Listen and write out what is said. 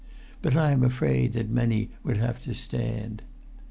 But I am afraid that many would have to stand.